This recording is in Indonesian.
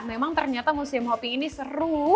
memang ternyata musim hopi ini seru